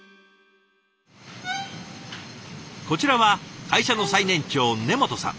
こちらは会社の最年長根本さん。